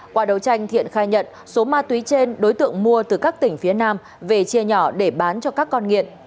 qua đấu tranh thiện khai nhận số ma túy trên đối tượng mua từ các tỉnh phía nam về chia nhỏ để bán cho các con nghiện